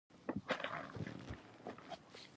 رسوب د افغانستان د جغرافیایي موقیعت پایله ده.